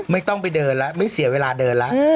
ไม่ต้องไปเดินแล้วไม่เสียเวลาเดินแล้ว